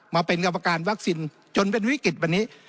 มาเป็นกรรมการวัคซีนจนเป็นวิกฤตวันนี้